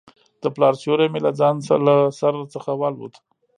د پلار سیوری مې له سر څخه والوت.